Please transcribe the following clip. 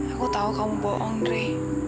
aku tau kamu bohong dre